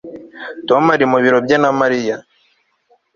Tom ari mu biro bye na Mariya